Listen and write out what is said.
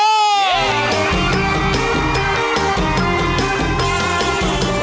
บุรุณพ่วนฮัวหุ้นร้ำ